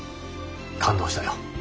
感動したよ。